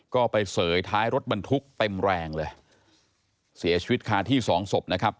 ก็ไปเสยท้ายรถบรรทุกเต็มแรงเลยเสียชีวิตคาที่สองศพนะครับ